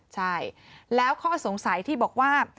ใช่แล้วข้อสงสัยที่บอกว่า